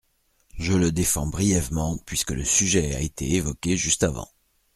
Je le défends brièvement, puisque le sujet a été évoqué juste avant.